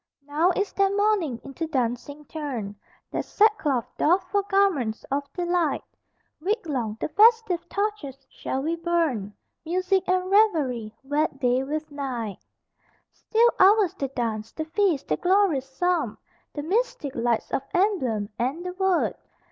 Now is their mourning into dancing turned, Their sackcloth doffed for garments of delight, Week long the festive torches shall be burned, Music and revelry wed day with night. Still ours the dance, the feast, the glorious Psalm, The mystic lights of emblem, and the Word.